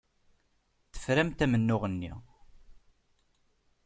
Teframt amennuɣ-nni.